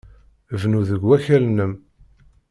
Bnu deg wakal-nnem.